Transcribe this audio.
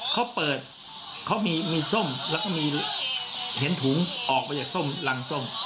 เขาเปิดเขามีส้มแล้วก็มีเห็นถุงออกมาจากส้มรังส้ม